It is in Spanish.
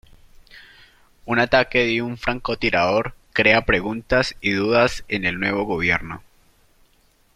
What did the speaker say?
Un ataque de un francotirador crea preguntas y dudas en el nuevo gobierno.